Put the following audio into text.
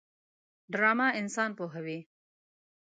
ډرامه انسان پوهوي